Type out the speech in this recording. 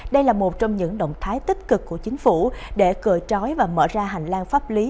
đây là một trong những động thái tích cực của chính phủ để cười trói và mở ra hành lang pháp lý